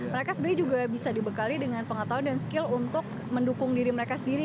mereka sebenarnya juga bisa dibekali dengan pengetahuan dan skill untuk mendukung diri mereka sendiri